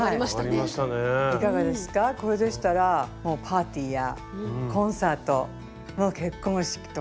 いかがですかこれでしたらパーティーやコンサート結婚式とか。